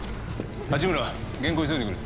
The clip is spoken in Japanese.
蜂村原稿急いでくれ。